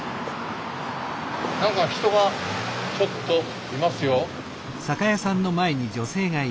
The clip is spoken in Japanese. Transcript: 何か人がちょっといますよ。